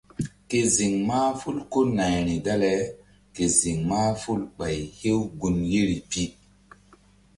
Ke ziŋ mahful ko nayri dale ke ziŋ mahful Ɓay hew gun yeri pi.